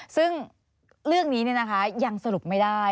ซึ่งเรื่องนี้ยังสรุปไม่ได้